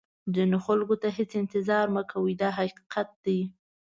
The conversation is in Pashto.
ځینو خلکو ته هېڅ انتظار مه کوئ دا حقیقت دی.